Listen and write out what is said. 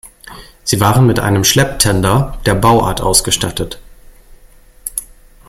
Sie waren mit einem Schlepptender der Bauart ausgestattet.